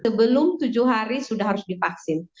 sebelum tujuh hari sudah harus divaksin